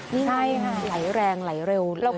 ใช่ค่ะไหลแรงไหลเร็ว